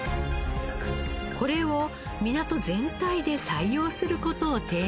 これを港全体で採用する事を提案しました。